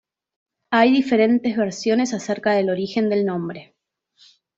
Hay diferentes versiones acerca del origen del nombre.